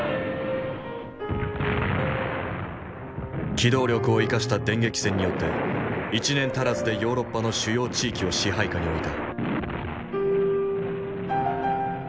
機動力を生かした電撃戦によって１年足らずでヨーロッパの主要地域を支配下に置いた。